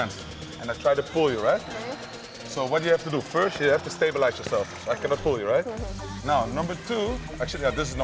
ntar dulu ada yang pertama